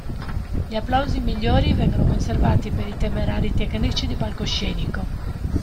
Gli applausi migliori vengono conservati per i temerari tecnici di palcoscenico.